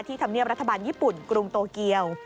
ธรรมเนียบรัฐบาลญี่ปุ่นกรุงโตเกียว